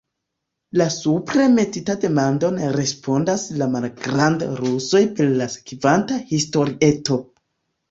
La supre metitan demandon respondas la malgrand'rusoj per la sekvanta historieto.